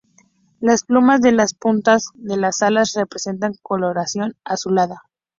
Las plumas de las puntas de las alas presentan coloración azulada.